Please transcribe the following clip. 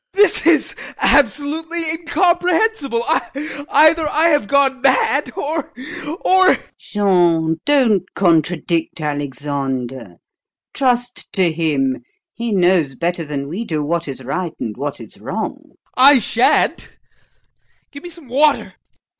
VOITSKI. This is absolutely incomprehensible. Either I have gone mad or or MME. VOITSKAYA. Jean, don't contradict Alexander. Trust to him; he knows better than we do what is right and what is wrong. VOITSKI. I shan't. Give me some water.